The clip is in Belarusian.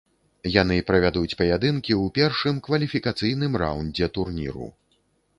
Яны правядуць паядынкі ў першым кваліфікацыйным раундзе турніру.